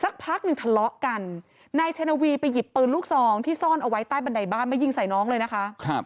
พักหนึ่งทะเลาะกันนายชนวีไปหยิบปืนลูกซองที่ซ่อนเอาไว้ใต้บันไดบ้านมายิงใส่น้องเลยนะคะ